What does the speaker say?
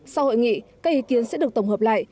sau hội nghị các ý kiến sẽ được tổng hợp lại